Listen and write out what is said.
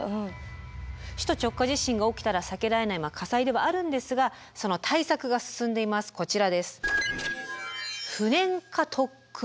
首都直下地震が起きたら避けられない火災ではあるんですがその対策が進んでいます。